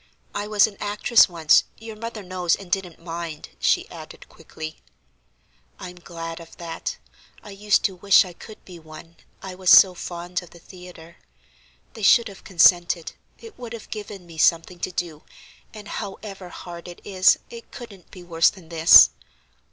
"I was an actress once; your mother knows and didn't mind," she added, quickly. "I'm glad of that. I used to wish I could be one, I was so fond of the theatre. They should have consented, it would have given me something to do, and, however hard it is, it couldn't be worse than this."